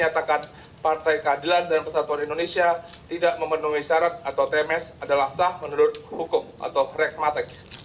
bahwa pkpi terdiri atas para komisioner bawaslu dan papua barat